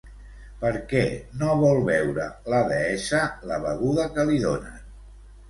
Per què no vol beure la deessa la beguda que li donen?